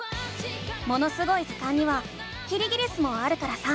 「ものすごい図鑑」にはキリギリスもあるからさ